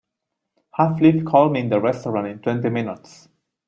Have Liv call me in the restaurant in twenty minutes.